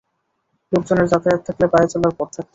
লোকজনের যাতায়াত থাকলে পায়ে চলার পথ থাকত।